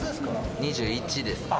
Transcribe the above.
２１です。